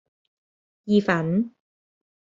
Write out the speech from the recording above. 意粉